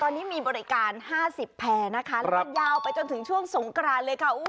ตอนนี้มีบริการ๕๐แพร่นะคะแล้วก็ยาวไปจนถึงช่วงสงกรานเลยค่ะ